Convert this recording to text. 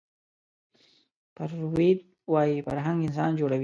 فروید وايي فرهنګ انسان جوړوي